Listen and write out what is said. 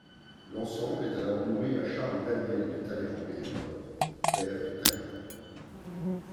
L'ensemble est alors loué à Charles-Daniel de Talleyrand-Périgord, père de Talleyrand.